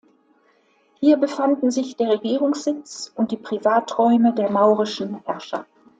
Hier befanden sich der Regierungssitz und die Privaträume der maurischen Herrscher.